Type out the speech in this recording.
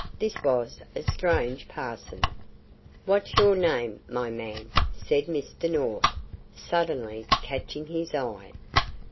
This was a strange parson. "What's your name, my man?" said Mr. North, suddenly, catching his eye.